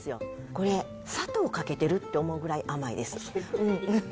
これ、砂糖かけてる？って思うくらい甘いです。